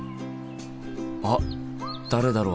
あっ誰だろう？